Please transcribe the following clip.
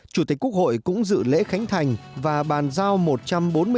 chủ tịch quốc hội cũng dự lễ khánh thành và bàn giao một trăm bốn mươi sáu đồng